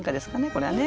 これはね。